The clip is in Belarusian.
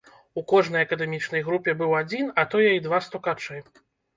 У кожнай акадэмічнай групе быў адзін, а тое і два стукачы.